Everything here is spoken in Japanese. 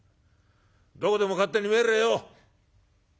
どこでも勝手に参れよ」。